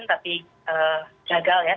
tapi gagal ya